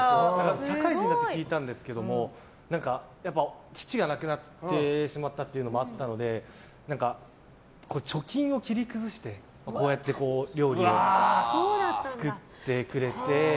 社会人になって聞いたんですが父が亡くなってしまったのもあったので、貯金を切り崩してこうやって料理を作ってくれて。